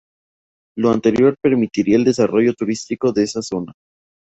Lo anterior permitirá el desarrollo turístico de esa zona.